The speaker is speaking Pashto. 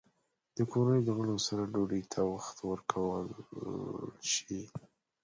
د کورنۍ له غړو سره ډوډۍ ته وخت ورکول شي؟